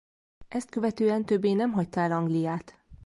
Ezt követően többé nem hagyta el Angliát.